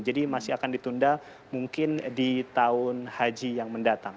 jadi masih akan ditunda mungkin di tahun haji yang mendatang